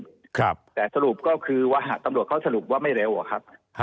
ครับแต่สรุปก็คือว่าหากตำรวจเขาสรุปว่าไม่เร็วอะครับ